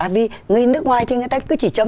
vì nước ngoài thì người ta cứ chỉ chấm